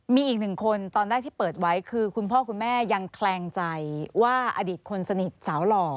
มีอีกหนึ่งคนตอนแรกที่เปิดไว้คือคุณพ่อคุณแม่ยังแคลงใจว่าอดีตคนสนิทสาวหล่อ